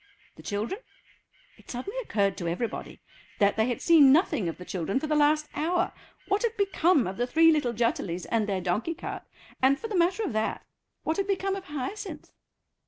The children? It suddenly occurred to everybody that they had seen nothing of the children for the last hour. What had become of the three little Jutterlys and their donkey cart, and, for the matter of that, what had become of Hyacinth.